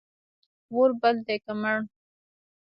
اور بل دی که مړ